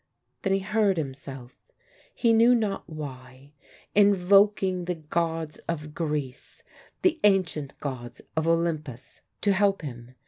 Then he heard himself, he knew not why, invoking the gods of Greece, the ancient gods of Olympus, to help him.